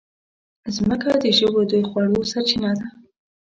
مځکه د ژويو د خوړو سرچینه ده.